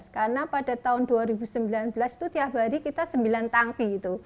karena pada tahun dua ribu sembilan belas itu tiap hari kita sembilan tangpi itu